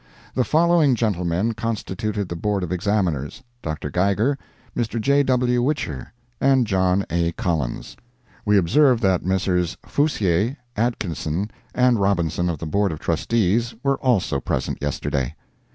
The following gentlemen constituted the Board of Examiners: Dr. Geiger, Mr. J. W. Whicher and John A. Collins. We observed that Messrs. Feusier, Adkison and Robinson of the Board of Trustees were also present yesterday.